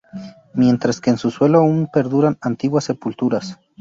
Mientras que en su suelo aún perduran antiguas sepulturas.